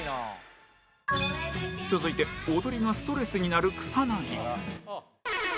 続いて踊りがストレスになる草薙